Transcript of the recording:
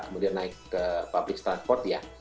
kemudian naik ke public transport ya